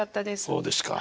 そうですか。